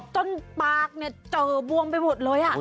จนปากเนี่ยเจอบวงไปหมดเลยอ่ะ